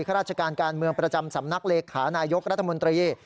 ราชการการเมืองประจำสำนักเลขานายกรัฐมนตรี